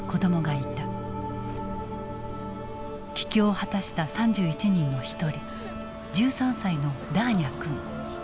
帰郷を果たした３１人の一人１３歳のダーニャ君。